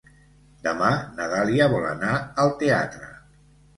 Demà na Dàlia vol anar al teatre.